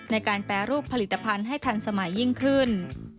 ในการแปรรูปผลิตภัณฑ์ให้ทันสมัยยิ่งขึ้น